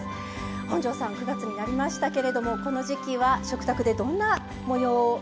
本上さん９月になりましたけれどもこの時期は食卓でどんなもようでしょうか？